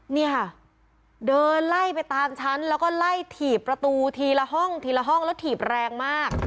นี่ค่ะเดินไล่ไปตามชั้นแล้วก็ไล่ถีบประตูทีละห้องทีละห้องแล้วถีบแรงมาก